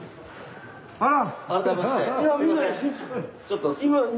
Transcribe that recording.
あら！